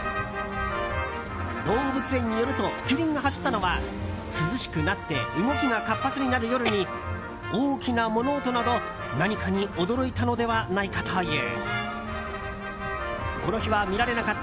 動物園によるとキリンが走ったのは涼しくなって動きが活発になる夜に大きな物音など何かに驚いたのではないかという。